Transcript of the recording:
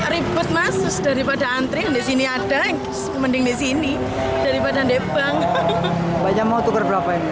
ribet masuk daripada antre di sini ada yang sepending di sini daripada debang banyak mau tukar